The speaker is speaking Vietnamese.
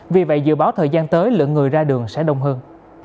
vì vậy dự báo thời gian tới lượng người ra đường sẽ đông hơn